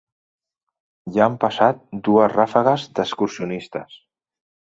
Ja han passat dues rafegues d'excursionistes.